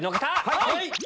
はい！